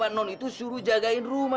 karena non itu suruh jagain rumah